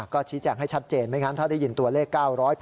ก็ชี้แจงให้ชัดเจนไม่งั้นถ้าได้ยินตัวเลข๙๘